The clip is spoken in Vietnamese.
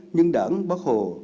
nhưng đảng bắc hồ